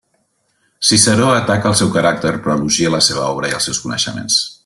Ciceró ataca el seu caràcter però elogia la seva obra i els seus coneixements.